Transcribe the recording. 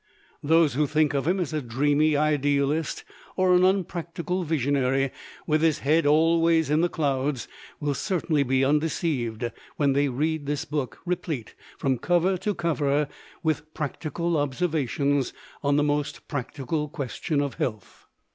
Those who think of him as a dreamy idealist or an unpractical visionary, with his head always in the clouds, will certainly be undeceived when they read this book replete from cover to cover with practical observations on the most practical question of Health.